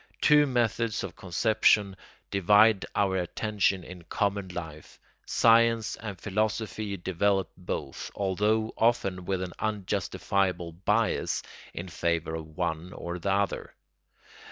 Two methods of conception divide our attention in common life; science and philosophy develop both, although often with an unjustifiable bias in favour of one or the other.